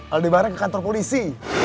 aldebaran ke kantor polisi